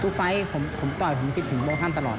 ทุกไฟต์ผมตอนนี้ผมฤทธิ์ถึงโบคาร์ตลอด